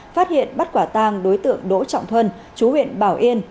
phát hiện bắt quả tang đối tượng đỗ trọng thuân chú huyện bảo yên